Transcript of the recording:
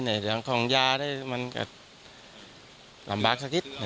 ในเรื้องของยาได้มันก็ลำบากสักทิศ